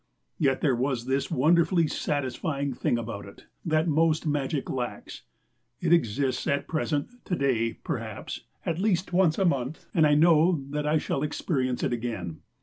Yet there was this wonderfully satisfying thing about it, that most magic lacks: it exists at present, to day, perhaps, at least once a month, and I know that I shall experience it again.